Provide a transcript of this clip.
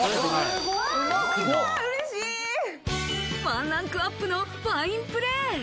ワンランクアップのファインプレー。